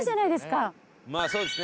まあそうですね。